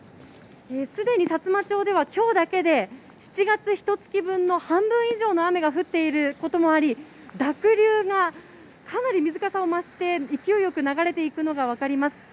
すでにさつま町では、きょうだけで７月ひとつき分の半分以上の雨が降っていることもあり、濁流がかなり水かさを増して勢いよく流れていくのが分かります。